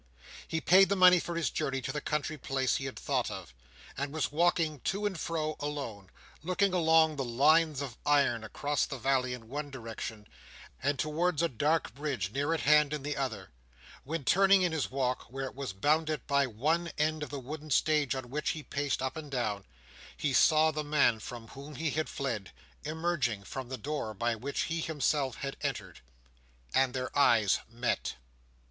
He paid the money for his journey to the country place he had thought of; and was walking to and fro, alone, looking along the lines of iron, across the valley in one direction, and towards a dark bridge near at hand in the other; when, turning in his walk, where it was bounded by one end of the wooden stage on which he paced up and down, he saw the man from whom he had fled, emerging from the door by which he himself had entered. And their eyes met.